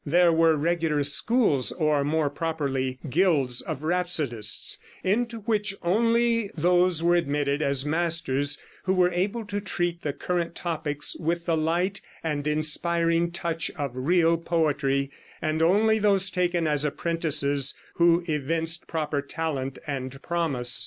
There were regular schools, or more properly guilds, of rhapsodists, into which only those were admitted as masters who were able to treat the current topics with the light and inspiring touch of real poetry, and only those taken as apprentices who evinced proper talent and promise.